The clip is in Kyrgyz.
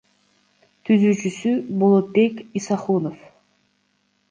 Түзүүчүсү — Болотбек Исахунов.